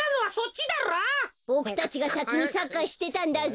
ボクたちがさきにサッカーしてたんだぞ。